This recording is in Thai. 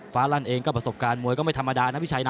ลั่นเองก็ประสบการณ์มวยก็ไม่ธรรมดานะพี่ชัยนะ